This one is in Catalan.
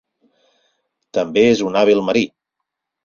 També és un hàbil marí.